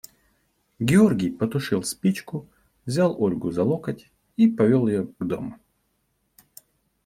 Георгий потушил спичку, взял Ольгу за локоть и повел ее к дому.